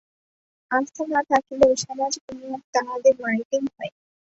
আস্থা না থাকিলেও সামাজিক নিয়ম তাহাদের মানিতেই হয়।